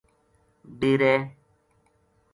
ڈیرے